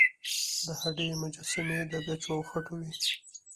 د هډې مجسمې د ګچو او خټو وې